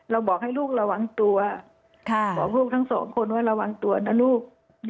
บอกให้ลูกระวังตัวบอกลูกทั้งสองคนว่าระวังตัวนะลูก